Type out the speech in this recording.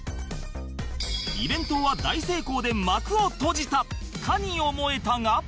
イベントは大成功で幕を閉じたかに思えたが